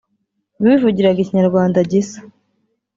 bivugiraga Ikinyarwanda gisa